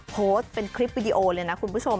โพสต์เป็นคลิปวิดีโอเลยนะคุณผู้ชม